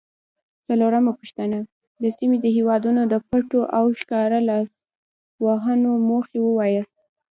څلورمه پوښتنه: د سیمې د هیوادونو د پټو او ښکاره لاسوهنو موخې ووایاست؟